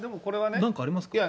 なんかありますか？